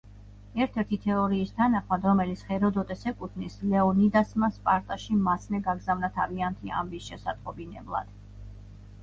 ერთ-ერთი თეორიის თანახმად, რომელიც ჰეროდოტეს ეკუთვნის ლეონიდასმა სპარტაში მაცნე გაგზავნა თავიანთი ამბის შესატყობინებლად.